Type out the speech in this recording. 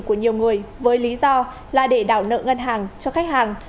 của nhiều người với lý do là để đảo nợ ngân hàng cho khách hàng